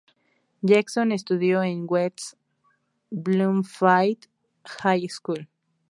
Jackson estudió en "West Bloomfield High School".